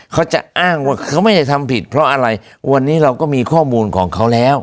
เขาจะอ้างว่าเขาไม่ได้ทำผิดเพราะอะไรวันนี้เราก็มีข้อมูลของเขาแล้ว